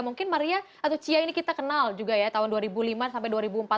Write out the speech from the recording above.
mungkin maria atau cia ini kita kenal juga ya tahun dua ribu lima sampai dua ribu empat belas